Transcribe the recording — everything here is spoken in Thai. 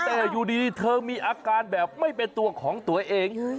แต่อยู่ดีเธอมีอาการแบบไม่เป็นตัวของตัวเอง